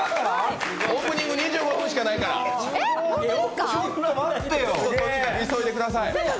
オープニング２５分しかないから急いでください！